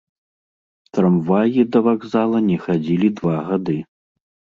Трамваі да вакзала не хадзілі два гады.